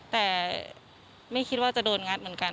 แต่ไม่คิดว่าจะโดนงัดเหมือนกัน